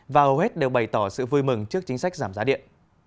và hầu hết đều bày tỏ sự vui mừng trước chính sách giảm giá điện